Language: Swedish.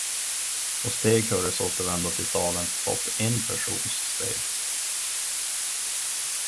Och steg hördes återvända till salen, blott en persons steg.